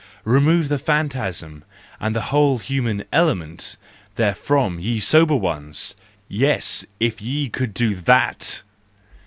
Remove the phantasm and the whole human element therefrom, ye sober ones! Yes, if ye could do that!